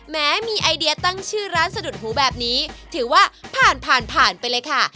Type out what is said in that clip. แม้มีไอเดียตั้งชื่อร้านสะดุดหูแบบนี้ถือว่าผ่านผ่านผ่านไปเลยค่ะ